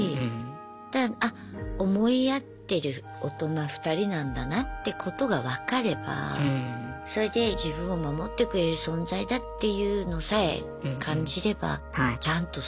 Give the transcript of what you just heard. だからあ思い合ってる大人２人なんだなってことが分かればそれで自分を守ってくれる存在だっていうのさえ感じればちゃんと育つ。